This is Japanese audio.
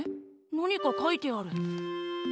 何か書いてある。